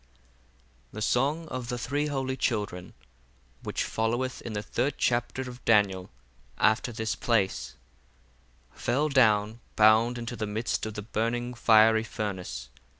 The Song of the Three Holy Children Which followeth in the third Chapter of DANIEL after this place,—fell down bound into the midst of the burning fiery furnace.